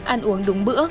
ăn uống đúng bữa